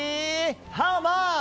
ハウマッチ。